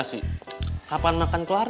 mas bobi kamu enggak jujur sama dia